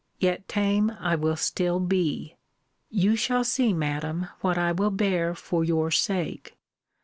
Yet tame I will still be. You shall see, Madam, what I will bear for your sake.